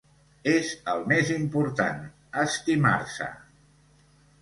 És el més important, estimar-se!